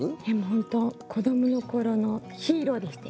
本当子どもの頃のヒーローでしたよね。